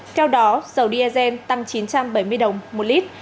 theo đó dầu diesel tăng chín trăm bảy mươi đồng một lít